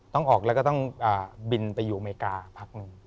ต้องออกแล้วก็ต้องบินไปอยู่อเมริกาพักหนึ่ง